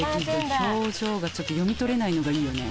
表情がちょっと読み取れないのがいいよね。